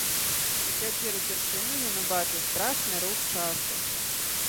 І цяпер упершыню ён убачыў страшны рух часу.